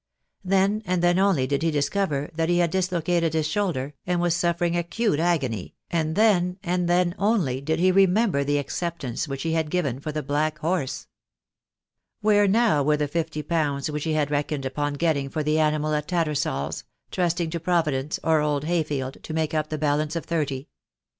Then and then only did he discover that he had dis located his shoulder, and was suffering acute agony, and then and then only did he remember the acceptance which he had given for the black horse. Where now were the fifty pounds which he had reckoned upon getting for the animal at Tattersall's, trust ing to Providence, or old Hayfield, to make up the 2 2 THE DAY WILL COME. balance of thirty.